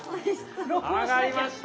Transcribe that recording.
揚がりました。